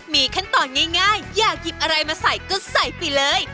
มีขั้นตอนง่ายอยากหยิบอะไรมาใส่ก็ใส่ไปเลย